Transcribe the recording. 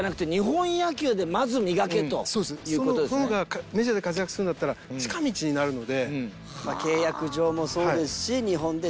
その方がメジャーで活躍するんだったら近道になるので。